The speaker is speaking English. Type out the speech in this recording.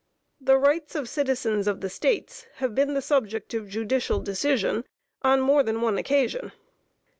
The rights of citizens of the States have been the subject of judicial decision on more than one occasion.